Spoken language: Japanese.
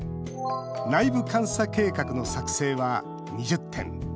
内部監査計画の作成は２０点。